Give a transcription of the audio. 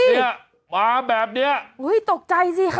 เห้ยมาแบบนี้